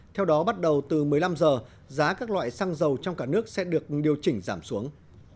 theo đó bắt đầu từ một mươi năm h giá các loại xăng dầu trong cả nước sẽ được điều chỉnh giảm xuống